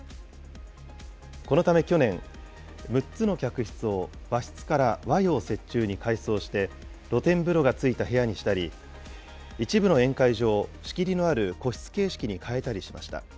このため去年、６つの客室を、和室から和洋折衷に改装して、露天風呂が付いた部屋にしたり、一部の宴会場を仕切りのある個室形式に変えたりしました。